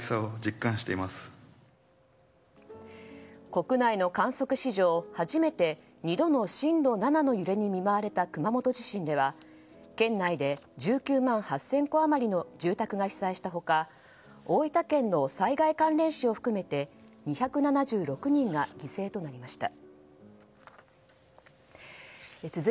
国内の観測史上初めて２度の震度７の揺れに見舞われた熊本地震では県内で１９万８０００戸余りの住宅が被災した他大分県の災害関連死を含めて２７６人が犠牲となりました。